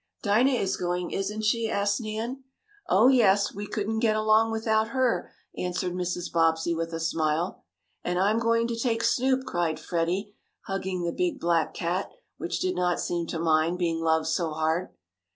"Dinah is going, isn't she?" asked Nan. "Oh, yes, we couldn't get along without her," answered Mrs. Bobbsey with a smile. "And I'm going to take Snoop!" cried Freddie, hugging the big, black cat, which did not seem to mind being loved so hard.